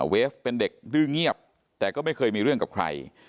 เฟฟเป็นเด็กดื้อเงียบแต่ก็ไม่เคยมีเรื่องกับใคร